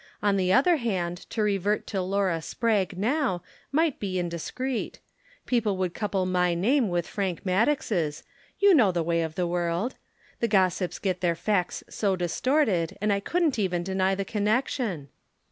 On the other hand to revert to Laura Spragg now might be indiscreet. People would couple my name with Frank Maddox's you know the way of the world. The gossips get their facts so distorted, and I couldn't even deny the connection."